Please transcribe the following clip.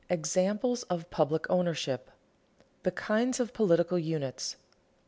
EXAMPLES OF PUBLIC OWNERSHIP [Sidenote: The kinds of political units] 1.